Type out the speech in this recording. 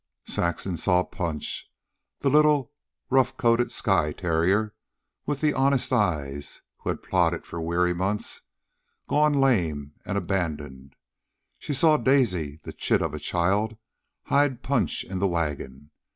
Saxon saw Punch, the little, rough coated Skye terrier with the honest eyes (who had plodded for weary months), gone lame and abandoned; she saw Daisy, the chit of a child, hide Punch in the wagon.